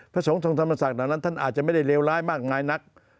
พระสงฆ์ทรงสมณศักดิ์เหล่านั้นท่านอาจจะไม่ได้เลวร้ายมากงายนัก